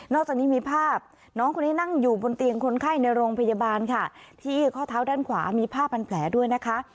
จากนี้มีภาพน้องคนนี้นั่งอยู่บนเตียงคนไข้ในโรงพยาบาลค่ะที่ข้อเท้าด้านขวามีผ้าพันแผลด้วยนะคะ